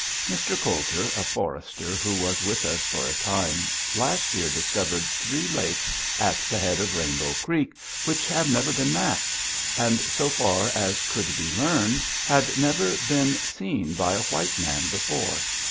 Mr. Coulter, a forester who was with us for a time, last year discovered three lakes at the head of Rainbow Creek which have never been mapped, and, so far as could be learned, had never been seen by a white man before.